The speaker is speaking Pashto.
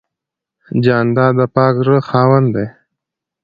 جانداد د پاک زړه خاوند دی.